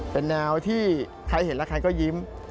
เป็นแนวที่ใครเห็นแล้วใครก็ยิ้ม